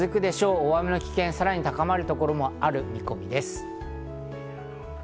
大雨の危険がさらに高まるところもある見込みです。